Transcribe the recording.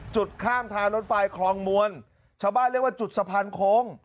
จุดข้างทางรถไฟคลองมวลชาวบ้านเรียกว่าจุดสะพานโค้ง